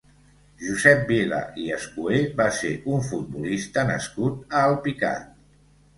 Josep Vila i Escuer va ser un futbolista nascut a Alpicat.